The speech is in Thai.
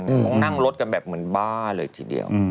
คงนั่งรถกันแบบเหมือนบ้าเลยทีเดียว